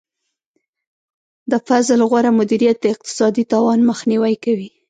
د فصل غوره مدیریت د اقتصادي تاوان مخنیوی کوي.